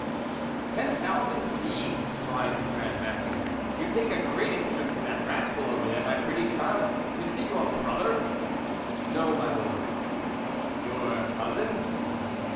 " Ten thousand fiends !" cried the Grand Master ;" you take a great in terest in that rascal over there, my pretty child. Is he your brother ?"" No, my Lord./ " Your cousin